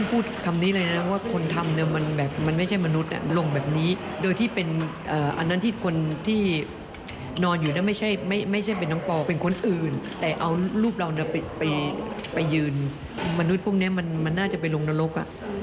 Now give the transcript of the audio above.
ไปยืนมนุษย์พวกนี้มันน่าจะไปลงนรก